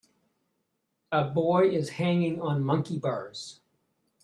A boy is hanging on monkey bars.